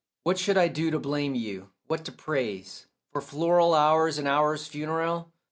What should I do to blame you, what to praise, For floral hours and hours funereal?